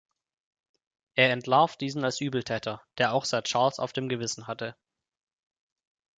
Er entlarvt diesen als Übeltäter, der auch Sir Charles auf dem Gewissen hatte.